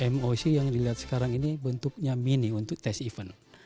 moc yang dilihat sekarang ini bentuknya mini untuk tes event